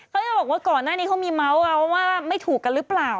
เขาบอกว่าก่อนหน้านี้เขามีเมาส์เอาว่าไม่ถูกกันหรือเปล่า